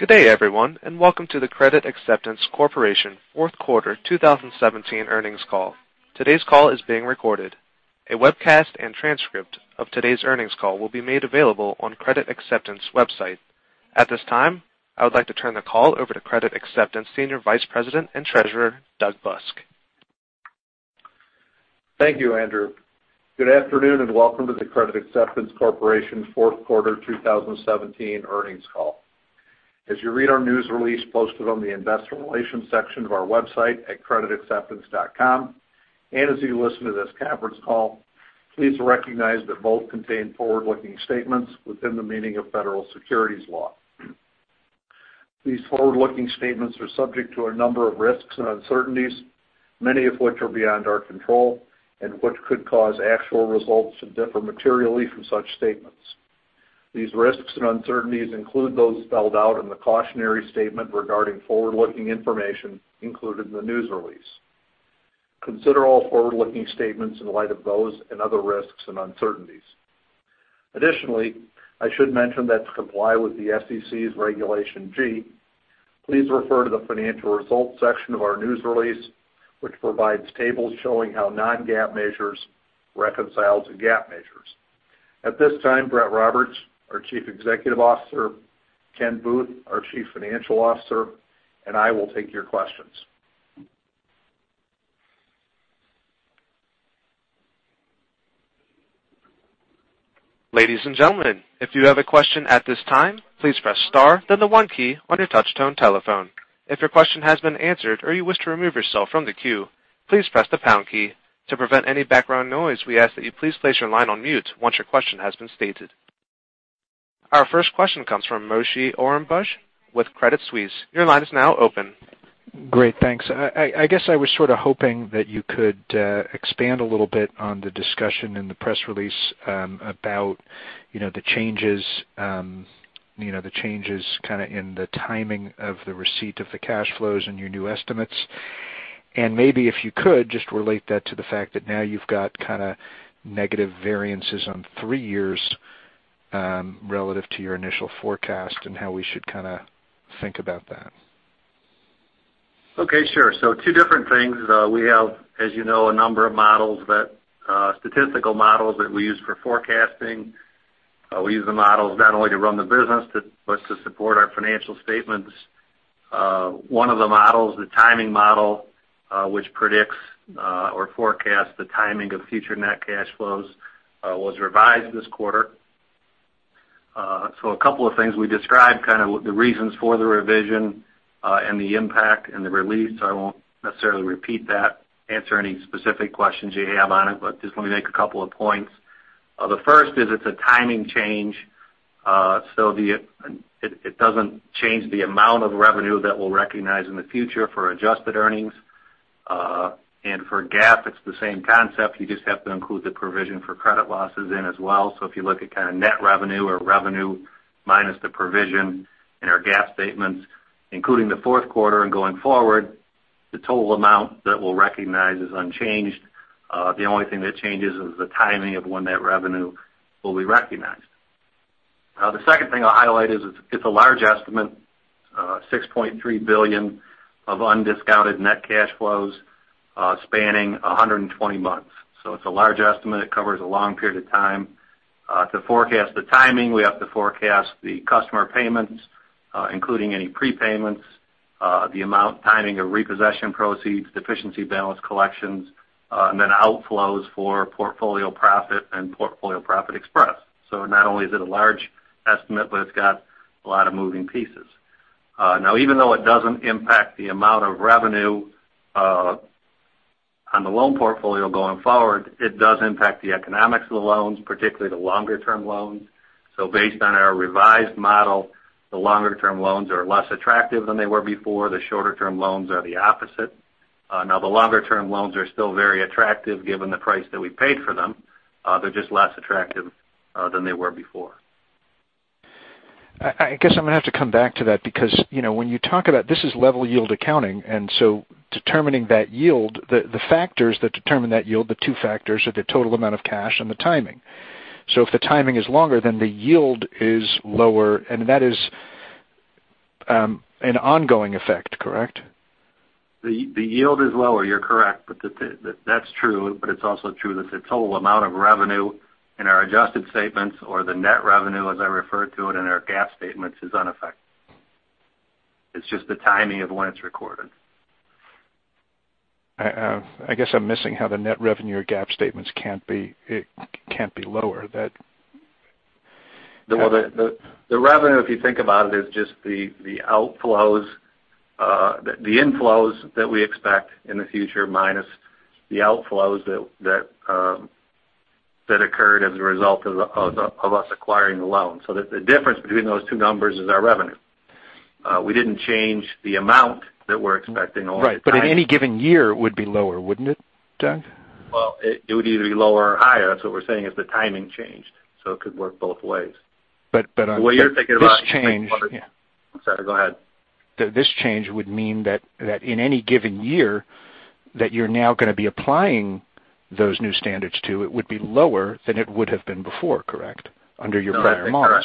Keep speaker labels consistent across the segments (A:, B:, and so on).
A: Good day, everyone, and welcome to the Credit Acceptance Corporation fourth quarter 2017 earnings call. Today's call is being recorded. A webcast and transcript of today's earnings call will be made available on Credit Acceptance website. At this time, I would like to turn the call over to Credit Acceptance Senior Vice President and Treasurer, Doug Busk.
B: Thank you, Andrew. Good afternoon, and welcome to the Credit Acceptance Corporation fourth quarter 2017 earnings call. As you read our news release posted on the investor relations section of our website at creditacceptance.com, and as you listen to this conference call, please recognize that both contain forward-looking statements within the meaning of Federal Securities law. These forward-looking statements are subject to a number of risks and uncertainties, many of which are beyond our control and which could cause actual results to differ materially from such statements. These risks and uncertainties include those spelled out in the cautionary statement regarding forward-looking information included in the news release. Consider all forward-looking statements in light of those and other risks and uncertainties. Additionally, I should mention that to comply with the SEC's Regulation G, please refer to the financial results section of our news release, which provides tables showing how non-GAAP measures reconcile to GAAP measures. At this time, Brett Roberts, our Chief Executive Officer, Ken Booth, our Chief Financial Officer, and I will take your questions.
A: Ladies and gentlemen, if you have a question at this time, please press star, then the one key on your touch-tone telephone. If your question has been answered or you wish to remove yourself from the queue, please press the pound key. To prevent any background noise, we ask that you please place your line on mute once your question has been stated. Our first question comes from Moshe Orenbuch with Credit Suisse. Your line is now open.
C: Great. Thanks. I guess I was sort of hoping that you could expand a little bit on the discussion in the press release about the changes kind of in the timing of the receipt of the cash flows and your new estimates. Maybe if you could, just relate that to the fact that now you've got kind of negative variances on three years, relative to your initial forecast, and how we should kind of think about that.
B: Okay, sure. Two different things. We have, as you know, a number of statistical models that we use for forecasting. We use the models not only to run the business but to support our financial statements. One of the models, the timing model, which predicts or forecasts the timing of future net cash flows, was revised this quarter. A couple of things we described, kind of the reasons for the revision and the impact and the release. I won't necessarily repeat that, answer any specific questions you have on it, but just let me make a couple of points. The first is it's a timing change. It doesn't change the amount of revenue that we'll recognize in the future for adjusted earnings. For GAAP, it's the same concept. You just have to include the provision for credit losses in as well. If you look at kind of net revenue or revenue minus the provision in our GAAP statements, including the fourth quarter and going forward, the total amount that we'll recognize is unchanged. The only thing that changes is the timing of when that revenue will be recognized. The second thing I'll highlight is it's a large estimate, $6.3 billion of undiscounted net cash flows spanning 120 months. It's a large estimate. It covers a long period of time. To forecast the timing, we have to forecast the customer payments, including any prepayments, the amount timing of repossession proceeds, deficiency balance collections, and then outflows for Portfolio Profit and Portfolio Profit Express. Not only is it a large estimate, but it's got a lot of moving pieces. Even though it doesn't impact the amount of revenue on the loan portfolio going forward, it does impact the economics of the loans, particularly the longer-term loans. Based on our revised model, the longer-term loans are less attractive than they were before. The shorter-term loans are the opposite. The longer-term loans are still very attractive given the price that we paid for them. They're just less attractive than they were before.
C: I guess I'm going to have to come back to that because when you talk about this is level yield accounting, determining that yield, the factors that determine that yield, the two factors are the total amount of cash and the timing. If the timing is longer, then the yield is lower, and that is an ongoing effect, correct?
B: The yield is lower, you're correct. That's true, it's also true that the total amount of revenue in our adjusted statements or the net revenue, as I refer to it in our GAAP statements, is unaffected. It's just the timing of when it's recorded.
C: I guess I'm missing how the net revenue or GAAP statements can't be lower.
B: The revenue, if you think about it, is just the inflows that we expect in the future minus the outflows that occurred as a result of us acquiring the loan. The difference between those two numbers is our revenue. We didn't change the amount that we're expecting, only the timing.
C: Right. In any given year, it would be lower, wouldn't it, Doug?
B: Well, it would either be lower or higher. That's what we're saying, is the timing changed. It could work both ways.
C: On this change-
B: What you're thinking about, Sorry, go ahead
C: This change would mean that in any given year, that you're now going to be applying those new standards to it would be lower than it would have been before, correct? Under your prior models.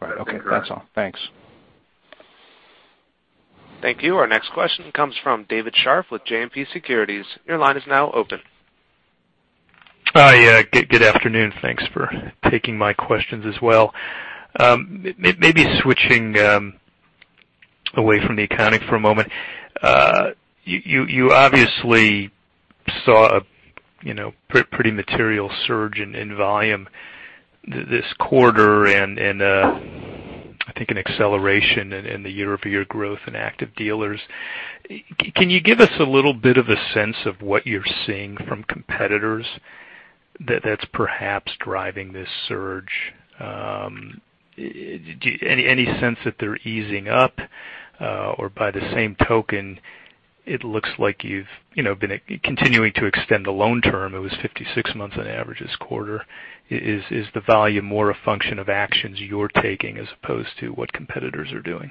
B: That is correct.
C: Right. Okay. That's all. Thanks.
A: Thank you. Our next question comes from David Scharf with JMP Securities. Your line is now open.
D: Hi. Good afternoon. Thanks for taking my questions as well. Maybe switching away from the accounting for a moment. You obviously saw a pretty material surge in volume this quarter. I think an acceleration in the year-over-year growth in active dealers. Can you give us a little bit of a sense of what you're seeing from competitors that's perhaps driving this surge? Any sense that they're easing up? By the same token, it looks like you've been continuing to extend the loan term. It was 56 months on average this quarter. Is the volume more a function of actions you're taking as opposed to what competitors are doing?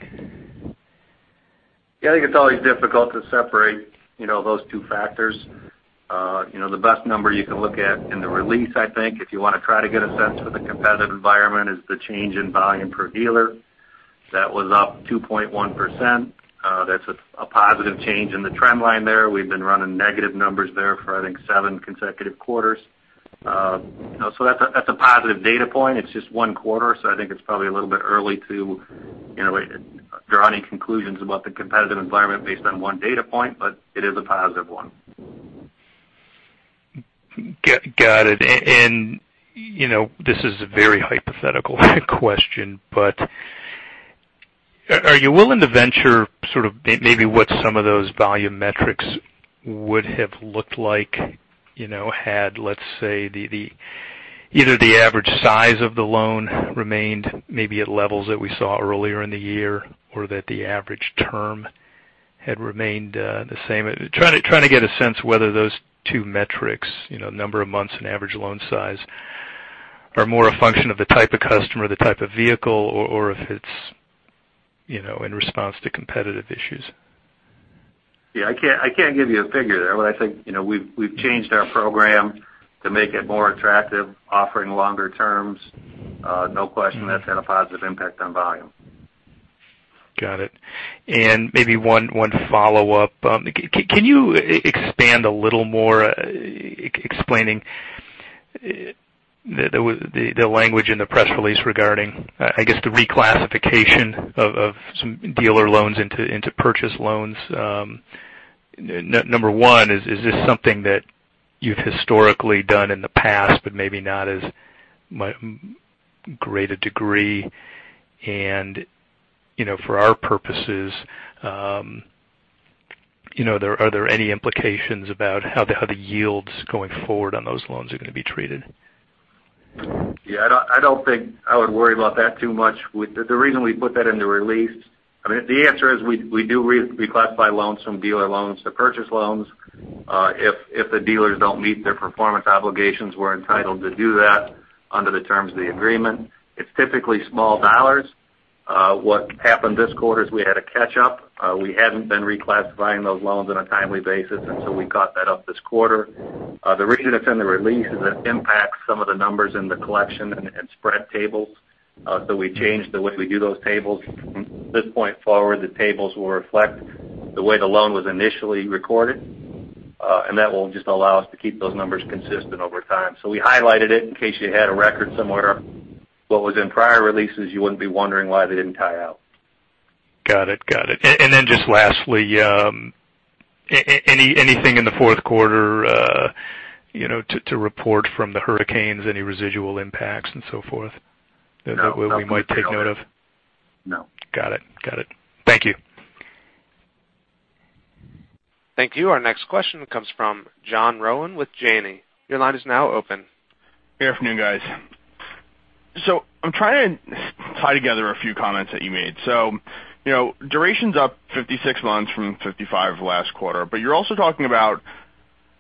B: Yeah. I think it's always difficult to separate those two factors. The best number you can look at in the release, I think, if you want to try to get a sense for the competitive environment, is the change in volume per dealer. That was up 2.1%. That's a positive change in the trend line there. We've been running negative numbers there for, I think, seven consecutive quarters. That's a positive data point. It's just one quarter, I think it's probably a little bit early to draw any conclusions about the competitive environment based on one data point, but it is a positive one.
D: Got it. This is a very hypothetical question, are you willing to venture sort of maybe what some of those volume metrics would have looked like had, let's say, either the average size of the loan remained maybe at levels that we saw earlier in the year, that the average term had remained the same? Trying to get a sense whether those two metrics, number of months and average loan size, are more a function of the type of customer, the type of vehicle, or if it's in response to competitive issues.
B: Yeah, I can't give you a figure there. I think, we've changed our program to make it more attractive, offering longer terms. No question that's had a positive impact on volume.
D: Got it. Maybe one follow-up. Can you expand a little more explaining the language in the press release regarding, I guess, the reclassification of some dealer loans into purchase loans? Number 1, is this something that you've historically done in the past, but maybe not as great a degree? For our purposes, are there any implications about how the yields going forward on those loans are going to be treated?
B: I don't think I would worry about that too much. The reason we put that in the release, I mean, the answer is we do reclassify loans from dealer loans to purchase loans. If the dealers don't meet their performance obligations, we're entitled to do that under the terms of the agreement. It's typically small dollars. What happened this quarter is we had a catch-up. We hadn't been reclassifying those loans on a timely basis, we caught that up this quarter. The reason it's in the release is it impacts some of the numbers in the collection and spread tables. We changed the way we do those tables. From this point forward, the tables will reflect the way the loan was initially recorded. That will just allow us to keep those numbers consistent over time. We highlighted it in case you had a record similar to what was in prior releases, you wouldn't be wondering why they didn't tie out.
D: Got it. Just lastly, anything in the fourth quarter to report from the hurricanes, any residual impacts and so forth.
B: No
D: that we might take note of?
B: No.
D: Got it. Thank you.
A: Thank you. Our next question comes from John Rowan with Janney. Your line is now open.
E: Good afternoon, guys. I'm trying to tie together a few comments that you made. Duration's up 56 months from 55 last quarter, you're also talking about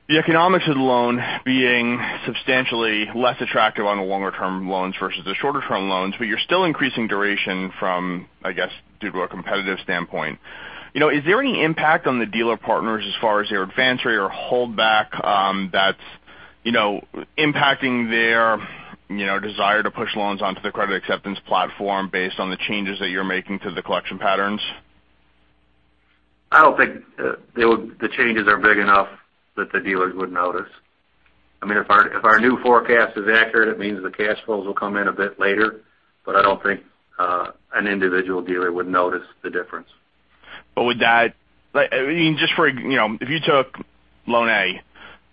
E: the economics of the loan being substantially less attractive on the longer term loans versus the shorter term loans, you're still increasing duration from, I guess, due to a competitive standpoint. Is there any impact on the dealer partners as far as their advance rate or holdback that's impacting their desire to push loans onto the Credit Acceptance platform based on the changes that you're making to the collection patterns?
B: I don't think the changes are big enough that the dealers would notice. I mean, if our new forecast is accurate, it means the cash flows will come in a bit later. I don't think an individual dealer would notice the difference.
E: If you took loan A,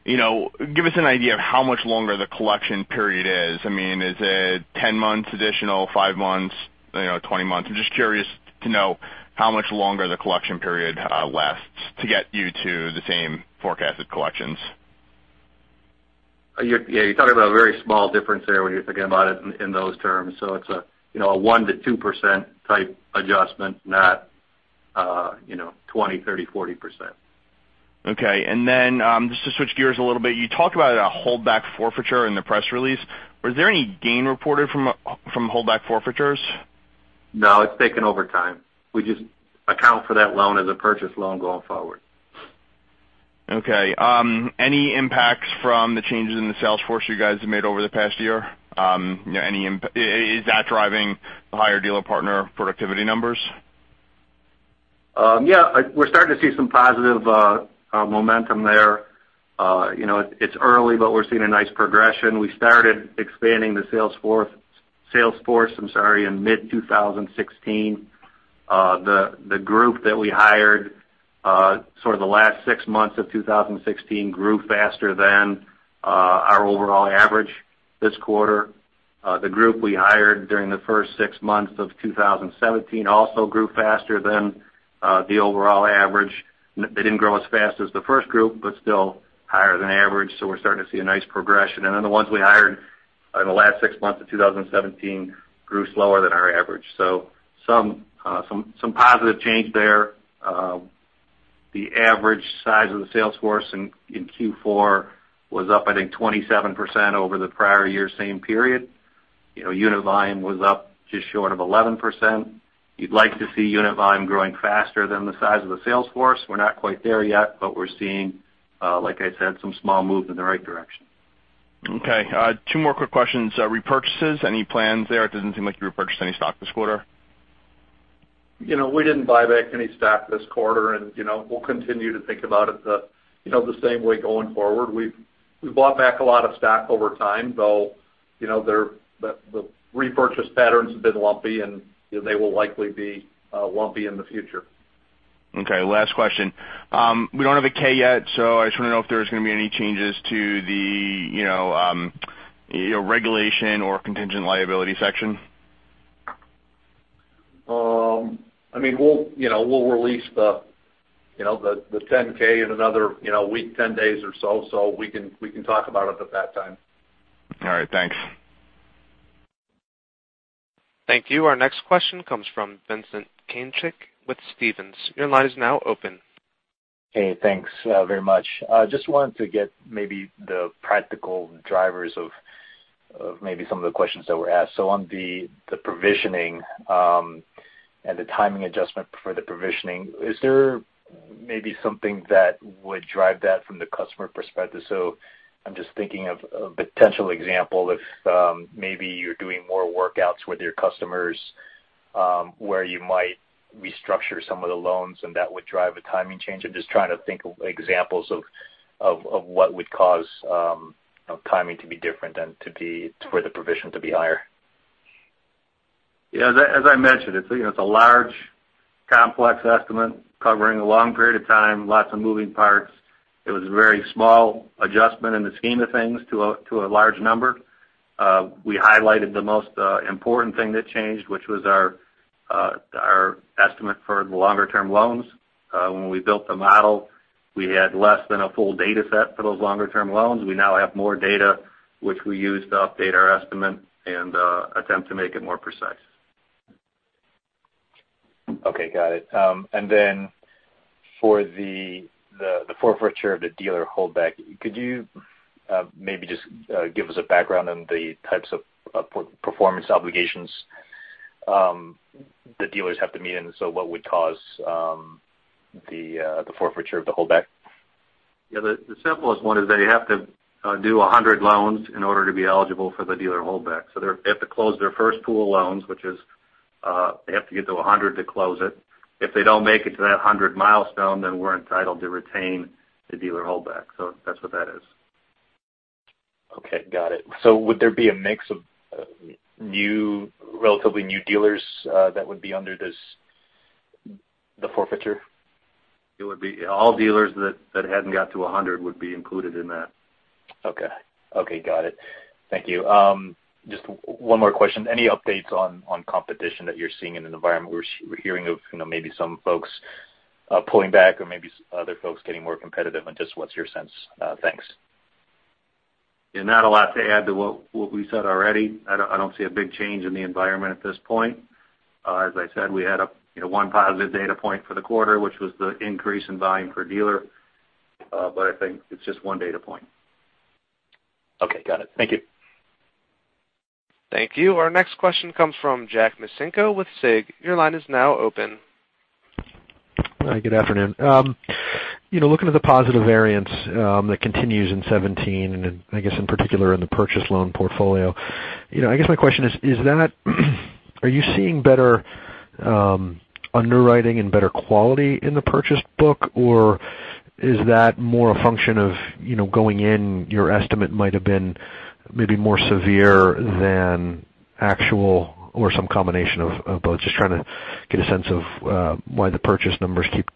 E: give us an idea of how much longer the collection period is. I mean, is it 10 months additional, five months, 20 months? I'm just curious to know how much longer the collection period lasts to get you to the same forecasted collections.
B: Yeah, you're talking about a very small difference there when you're thinking about it in those terms. It's a 1%-2% type adjustment, not 20%, 30%, 40%.
E: Okay. Just to switch gears a little bit, you talked about a holdback forfeiture in the press release. Was there any gain reported from holdback forfeitures?
B: No, it's taken over time. We just account for that loan as a purchase loan going forward.
E: Okay. Any impacts from the changes in the sales force you guys have made over the past year? Is that driving the higher dealer partner productivity numbers?
B: Yeah. We're starting to see some positive momentum there. It's early, but we're seeing a nice progression. We started expanding the sales force in mid-2016. The group that we hired sort of the last six months of 2016 grew faster than our overall average this quarter. The group we hired during the first six months of 2017 also grew faster than the overall average. They didn't grow as fast as the first group, but still higher than average. We're starting to see a nice progression. The ones we hired in the last six months of 2017 grew slower than our average. Some positive change there. The average size of the sales force in Q4 was up, I think, 27% over the prior year same period. Unit volume was up just short of 11%. You'd like to see unit volume growing faster than the size of the sales force. We're not quite there yet, but we're seeing, like I said, some small movement in the right direction.
E: Okay. Two more quick questions. Repurchases, any plans there? It doesn't seem like you repurchased any stock this quarter.
B: We didn't buy back any stock this quarter, and we'll continue to think about it the same way going forward. We've bought back a lot of stock over time, though the repurchase patterns have been lumpy, and they will likely be lumpy in the future.
E: Okay, last question. We don't have a K yet, so I just want to know if there's going to be any changes to the regulation or contingent liability section.
B: We'll release the 10K in another week, 10 days or so. We can talk about it at that time.
E: All right. Thanks.
A: Thank you. Our next question comes from Vincent Caintic with Stephens. Your line is now open.
F: Hey, thanks very much. Just wanted to get maybe the practical drivers of maybe some of the questions that were asked. On the provisioning, and the timing adjustment for the provisioning, is there maybe something that would drive that from the customer perspective? I'm just thinking of a potential example if maybe you're doing more workouts with your customers, where you might restructure some of the loans, and that would drive a timing change. I'm just trying to think of examples of what would cause timing to be different than for the provision to be higher.
B: Yeah. As I mentioned, it's a large, complex estimate covering a long period of time, lots of moving parts. It was a very small adjustment in the scheme of things to a large number. We highlighted the most important thing that changed, which was our estimate for the longer-term loans. When we built the model, we had less than a full data set for those longer-term loans. We now have more data, which we use to update our estimate and attempt to make it more precise.
F: Okay, got it. For the forfeiture of the dealer holdback, could you maybe just give us a background on the types of performance obligations the dealers have to meet, what would cause the forfeiture of the holdback?
B: Yeah, the simplest one is they have to do 100 loans in order to be eligible for the dealer holdback. They have to close their first pool of loans. They have to get to 100 to close it. If they don't make it to that 100 milestone, we're entitled to retain the dealer holdback. That's what that is.
F: Okay, got it. Would there be a mix of relatively new dealers that would be under the forfeiture?
B: It would be all dealers that hadn't got to 100 would be included in that.
F: Okay. Got it. Thank you. Just one more question. Any updates on competition that you're seeing in an environment we're hearing of maybe some folks pulling back or maybe other folks getting more competitive and just what's your sense? Thanks.
B: Not a lot to add to what we said already. I don't see a big change in the environment at this point. As I said, we had one positive data point for the quarter, which was the increase in volume per dealer. I think it's just one data point.
F: Okay, got it. Thank you.
A: Thank you. Our next question comes from Jack Micenko with SIG. Your line is now open.
G: Hi, good afternoon. Looking at the positive variance that continues in 2017, I guess in particular in the purchase loan portfolio, I guess my question is, are you seeing better underwriting and better quality in the purchase book, or is that more a function of going in your estimate might have been maybe more severe than actual or some combination of both? Just trying to get a sense of why the purchase numbers keep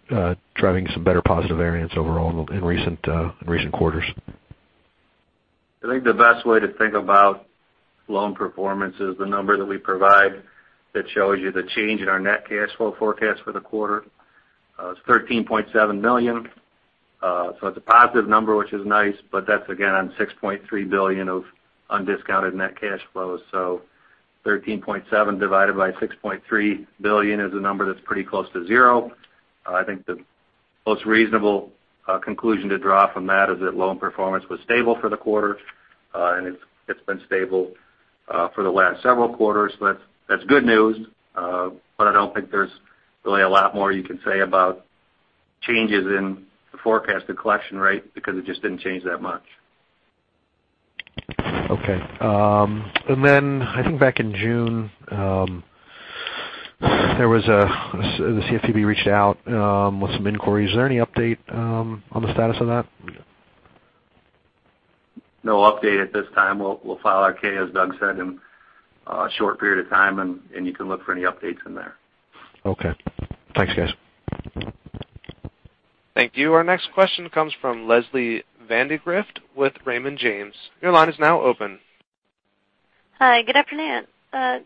G: driving some better positive variance overall in recent quarters.
B: I think the best way to think about loan performance is the number that we provide that shows you the change in our net cash flow forecast for the quarter. It's $13.7 million. It's a positive number, which is nice, but that's again on $6.3 billion of undiscounted net cash flow. 13.7 divided by 6.3 billion is a number that's pretty close to zero. I think the most reasonable conclusion to draw from that is that loan performance was stable for the quarter, and it's been stable for the last several quarters. That's good news, I don't think there's really a lot more you can say about changes in the forecasted collection rate because it just didn't change that much.
G: Okay. Then I think back in June, the CFPB reached out with some inquiries. Is there any update on the status of that?
H: No update at this time. We'll file our K, as Doug said, in a short period of time, you can look for any updates in there.
G: Okay. Thanks, guys.
A: Thank you. Our next question comes from Leslie Vandegrift with Raymond James. Your line is now open.
I: Hi, good afternoon. A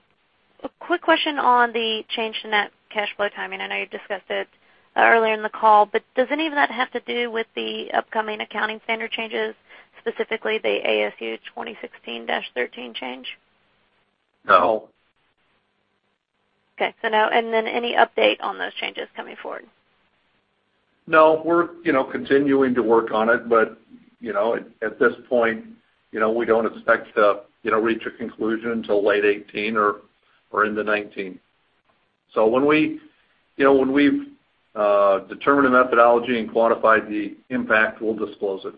I: quick question on the change to net cash flow timing. I know you discussed it earlier in the call, but does any of that have to do with the upcoming accounting standard changes, specifically the ASU 2016-13 change?
B: No.
I: Okay. No. Any update on those changes coming forward?
B: No, we're continuing to work on it, but at this point we don't expect to reach a conclusion until late 2018 or into 2019. When we've determined a methodology and quantified the impact, we'll disclose it.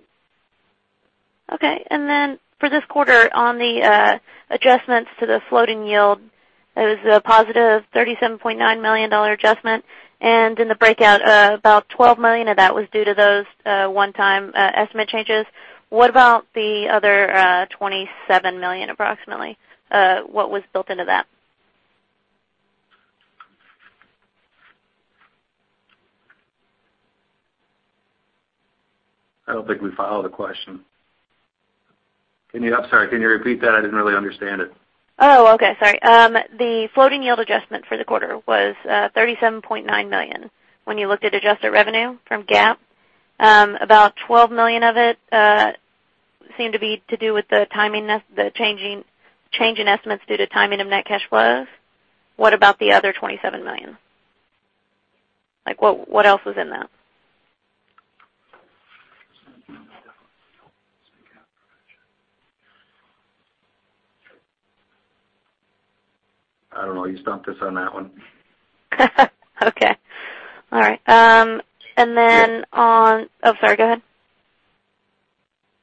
I: Okay. For this quarter, on the adjustments to the floating yield, it was a positive $37.9 million adjustment. In the breakout, about $12 million of that was due to those one-time estimate changes. What about the other $27 million, approximately? What was built into that?
B: I don't think we followed the question. I'm sorry, can you repeat that? I didn't really understand it.
I: Oh, okay. Sorry. The floating yield adjustment for the quarter was $37.9 million. When you looked at adjusted revenue from GAAP, about $12 million of it seemed to be to do with the change in estimates due to timing of net cash flows. What about the other $27 million? What else was in that?
B: I don't know. You stumped us on that one.
I: Okay. All right. Then on-- Sorry. Go ahead.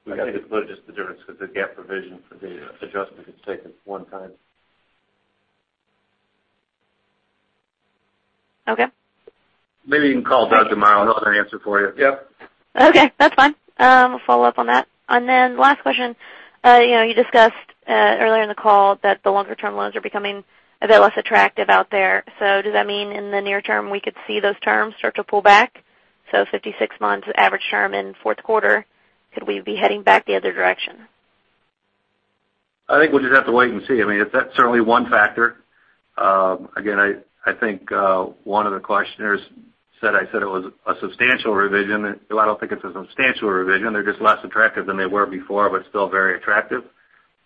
H: I think it's really just the difference with the GAAP provision for the adjustment it's taken one time.
I: Okay.
H: Maybe you can call Doug tomorrow, he'll have an answer for you. Yep.
I: Okay, that's fine. I'll follow up on that. Last question. You discussed earlier in the call that the longer-term loans are becoming a bit less attractive out there. Does that mean in the near term, we could see those terms start to pull back? 56 months average term in fourth quarter, could we be heading back the other direction?
B: I think we'll just have to wait and see. That's certainly one factor. Again, I think one of the questioners said I said it was a substantial revision. I don't think it's a substantial revision. They're just less attractive than they were before, but still very attractive.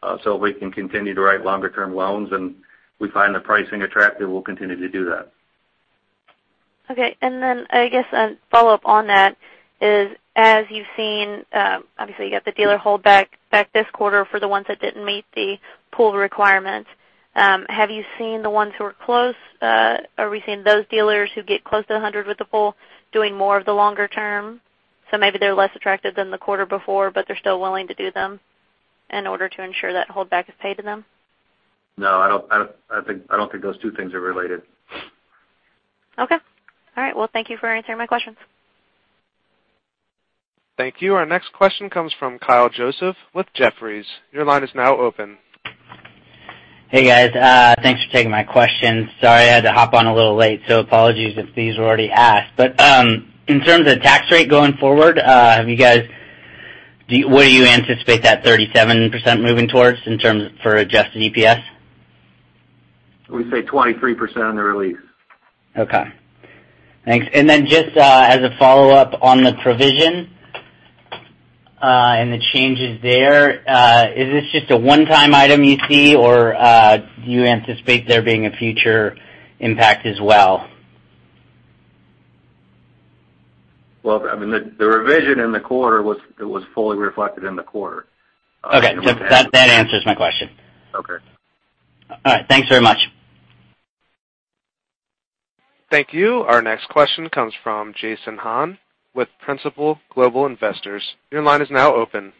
B: If we can continue to write longer-term loans and we find the pricing attractive, we'll continue to do that.
I: Okay. I guess a follow-up on that is, as you've seen, obviously, you got the dealer holdback back this quarter for the ones that didn't meet the pool requirements. Have you seen the ones who are close? Are we seeing those dealers who get close to 100 with the pool doing more of the longer term? Maybe they're less attractive than the quarter before, but they're still willing to do them in order to ensure that dealer holdback is paid to them?
B: No, I don't think those two things are related.
I: Okay. All right. Well, thank you for answering my questions.
A: Thank you. Our next question comes from Kyle Joseph with Jefferies. Your line is now open.
J: Hey, guys. Thanks for taking my question. Sorry, I had to hop on a little late, so apologies if these were already asked. In terms of tax rate going forward, where do you anticipate that 37% moving towards in terms for adjusted EPS?
B: We say 23% on the release.
J: Okay. Thanks. Then just as a follow-up on the provision and the changes there, is this just a one-time item you see, or do you anticipate there being a future impact as well?
B: Well, the revision in the quarter was fully reflected in the quarter.
J: Okay. That answers my question.
B: Okay.
J: All right. Thanks very much.
A: Thank you. Our next question comes from Jason Han with Principal Global Investors. Your line is now open.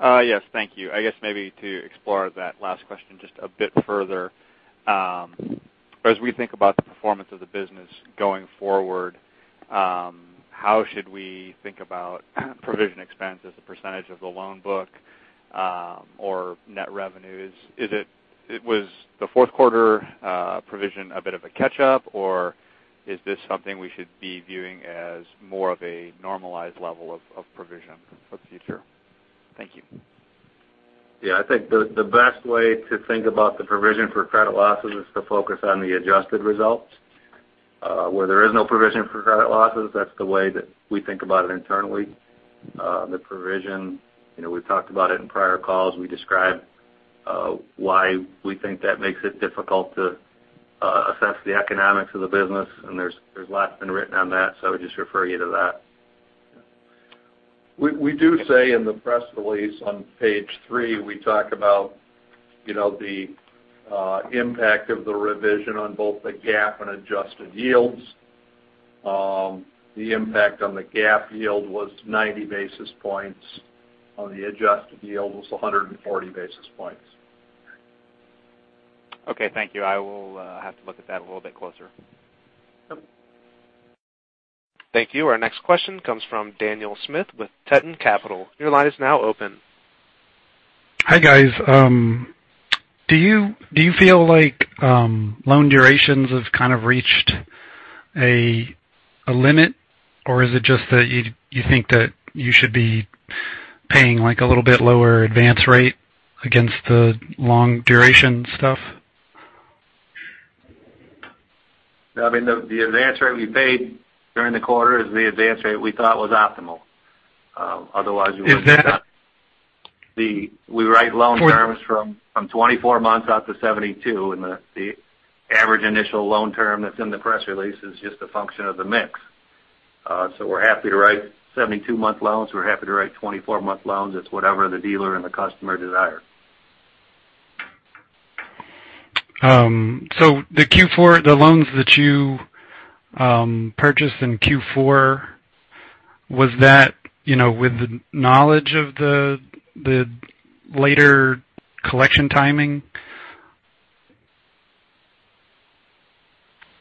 K: Yes, thank you. I guess maybe to explore that last question just a bit further. As we think about the performance of the business going forward, how should we think about provision expense as a % of the loan book or net revenues? Was the fourth quarter provision a bit of a catch-up, or is this something we should be viewing as more of a normalized level of provision for the future? Thank you.
B: Yeah. I think the best way to think about the provision for credit losses is to focus on the adjusted results where there is no provision for credit losses, that's the way that we think about it internally. The provision, we've talked about it in prior calls. We described why we think that makes it difficult to assess the economics of the business, there's lots been written on that, so I would just refer you to that.
H: We do say in the press release on page three, we talk about the impact of the revision on both the GAAP and adjusted yields. The impact on the GAAP yield was 90 basis points. On the adjusted yield, it was 140 basis points.
K: Okay, thank you. I will have to look at that a little bit closer.
B: Okay.
A: Thank you. Our next question comes from Daniel Smith with Teton Capital. Your line is now open.
L: Hi, guys. Do you feel like loan durations have kind of reached a limit, or is it just that you think that you should be paying a little bit lower advance rate against the long duration stuff?
B: I mean, the advance rate we paid during the quarter is the advance rate we thought was optimal. Otherwise, we wouldn't.
L: Is that?
B: We write loan terms from 24 months out to 72, and the average initial loan term that's in the press release is just a function of the mix. We're happy to write 72-month loans. We're happy to write 24-month loans. It's whatever the dealer and the customer desire.
L: The loans that you purchased in Q4, was that with the knowledge of the later collection timing?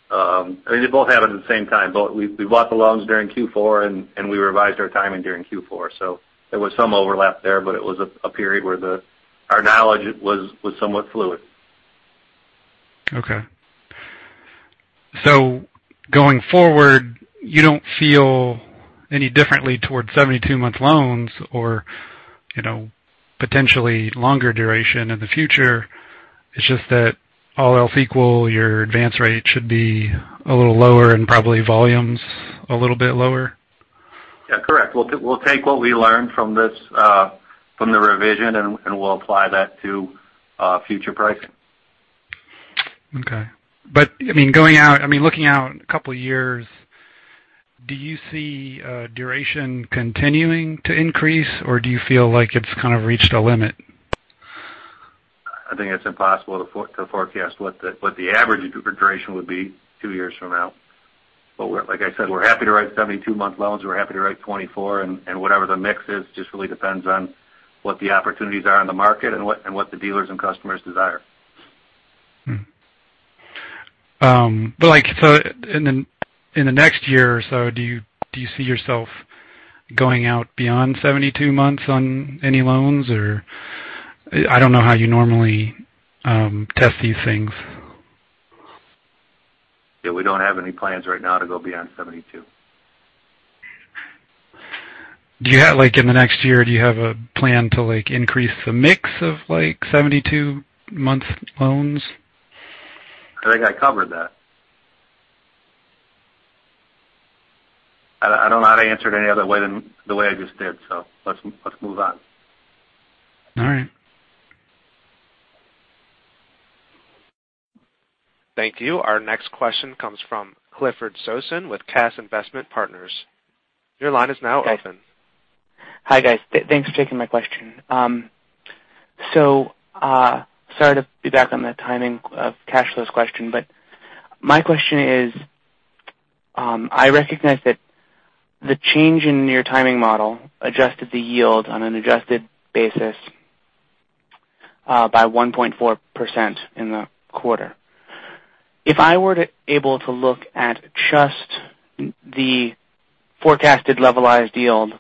B: They both happened at the same time. Both. We bought the loans during Q4, and we revised our timing during Q4. There was some overlap there, but it was a period where our knowledge was somewhat fluid.
L: Okay. Going forward, you don't feel any differently towards 72-month loans or potentially longer duration in the future. It's just that all else equal, your advance rate should be a little lower and probably volumes a little bit lower?
B: Yeah, correct. We'll take what we learned from the revision, and we'll apply that to future pricing.
L: Okay. Looking out a couple of years, do you see duration continuing to increase, or do you feel like it's kind of reached a limit?
B: I think it's impossible to forecast what the average duration would be two years from now. Like I said, we're happy to write 72-month loans. We're happy to write 24, and whatever the mix is just really depends on what the opportunities are in the market and what the dealers and customers desire.
L: In the next year or so, do you see yourself going out beyond 72 months on any loans? I don't know how you normally test these things.
B: Yeah, we don't have any plans right now to go beyond 72.
L: In the next year, do you have a plan to increase the mix of 72-month loans?
B: I think I covered that. I don't know how to answer it any other way than the way I just did. Let's move on.
L: All right.
A: Thank you. Our next question comes from Clifford Sosin with CAS Investment Partners. Your line is now open.
M: Hi guys. Thanks for taking my question. Sorry to be back on the timing of cash flows question. My question is, I recognize that the change in your timing model adjusted the yield on an adjusted basis by 1.4% in the quarter. If I were to able to look at just the forecasted levelized yield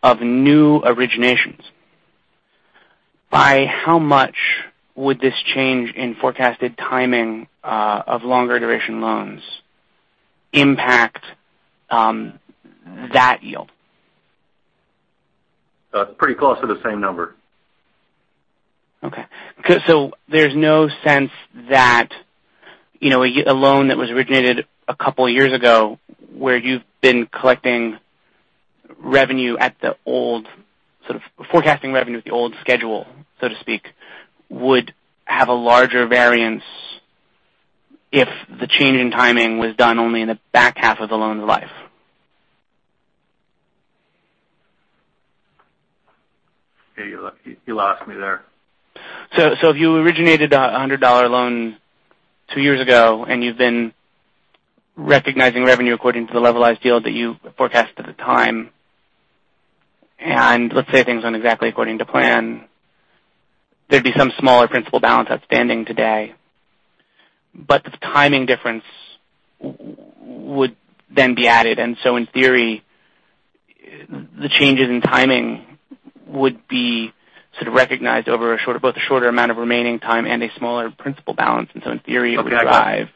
M: of new originations, by how much would this change in forecasted timing of longer duration loans impact that yield?
B: Pretty close to the same number.
M: Okay. There's no sense that a loan that was originated a couple of years ago where you've been collecting revenue at the old sort of forecasting revenue at the old schedule, so to speak, would have a larger variance if the change in timing was done only in the back half of the loan life.
B: You lost me there.
M: If you originated a $100 loan 2 years ago and you've been recognizing revenue according to the level yield that you forecasted at the time, and let's say things went exactly according to plan, there'd be some smaller principal balance outstanding today. The timing difference would then be added, and so in theory, the changes in timing would be sort of recognized over both a shorter amount of remaining time and a smaller principal balance, and so in theory, it would drive-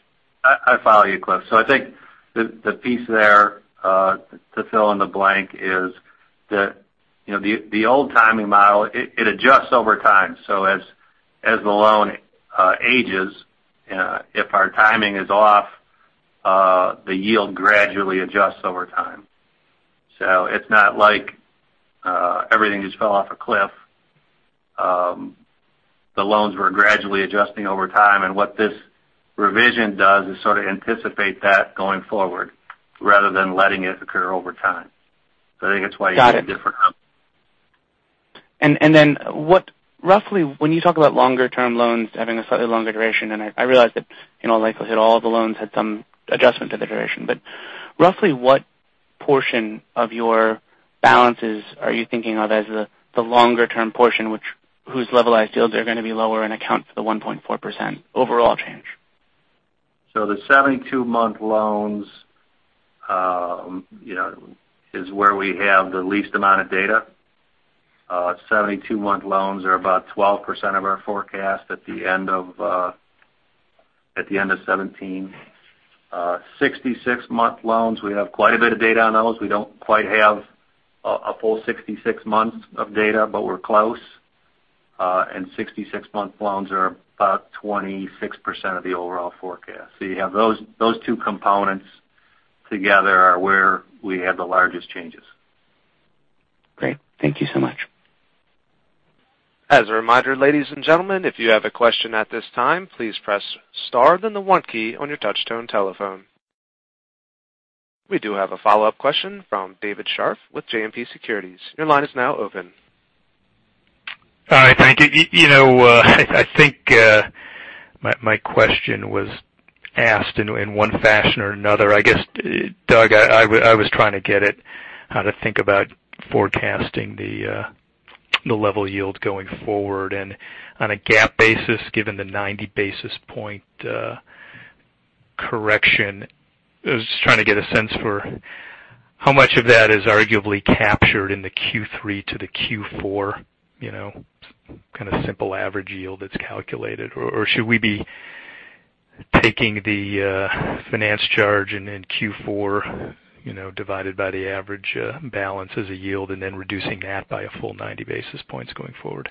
B: I follow you, Cliff. I think the piece there to fill in the blank is that the old timing model, it adjusts over time. As the loan ages, if our timing is off, the yield gradually adjusts over time. It's not like everything just fell off a cliff. The loans were gradually adjusting over time, and what this revision does is sort of anticipate that going forward rather than letting it occur over time. I think it's why-
M: Got it
B: You see a different number.
M: Roughly, when you talk about longer-term loans having a slightly longer duration, and I realize that in all likelihood, all the loans had some adjustment to the duration, but roughly what portion of your balances are you thinking of as the longer-term portion whose levelized yields are going to be lower and account for the 1.4% overall change?
B: The 72-month loans is where we have the least amount of data. 72-month loans are about 12% of our forecast at the end of 2017. 66-month loans, we have quite a bit of data on those. We don't quite have a full 66 months of data, but we're close. 66-month loans are about 26% of the overall forecast. You have those two components together are where we have the largest changes.
M: Great. Thank you so much.
A: As a reminder, ladies and gentlemen, if you have a question at this time, please press star, then the 1 key on your touchtone telephone. We do have a follow-up question from David Scharf with JMP Securities. Your line is now open.
D: All right. Thank you. I think my question was asked in one fashion or another. I guess, Doug, I was trying to get at how to think about forecasting the level yield going forward. On a GAAP basis, given the 90 basis point correction, I was just trying to get a sense for how much of that is arguably captured in the Q3 to the Q4, kind of simple average yield that's calculated. Should we be taking the finance charge and then Q4 divided by the average balance as a yield and then reducing that by a full 90 basis points going forward?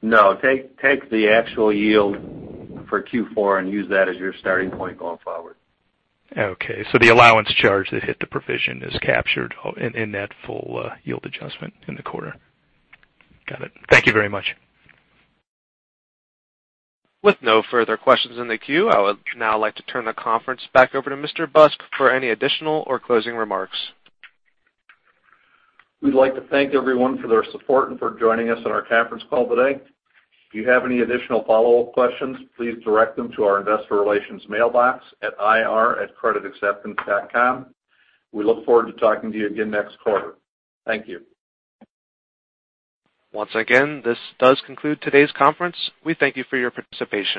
B: No, take the actual yield for Q4 and use that as your starting point going forward.
D: Okay. The allowance charge that hit the provision is captured in that full yield adjustment in the quarter. Got it. Thank you very much.
A: With no further questions in the queue, I would now like to turn the conference back over to Mr. Busk for any additional or closing remarks.
B: We'd like to thank everyone for their support and for joining us on our conference call today. If you have any additional follow-up questions, please direct them to our investor relations mailbox at ir@creditacceptance.com. We look forward to talking to you again next quarter. Thank you.
A: Once again, this does conclude today's conference. We thank you for your participation.